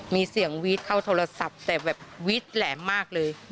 มีเสียงวีดเข้าโทรศัพท์แต่แบบวีดแหลมมากเลย